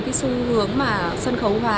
cái xu hướng mà sân khấu hóa